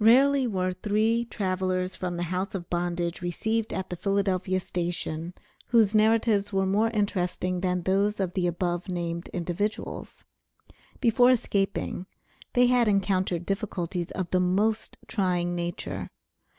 Rarely were three travelers from the house of bondage received at the Philadelphia station whose narratives were more interesting than those of the above named individuals. Before escaping they had encountered difficulties of the most trying nature.